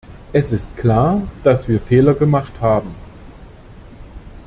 Es ist klar, dass wir Fehler gemacht haben.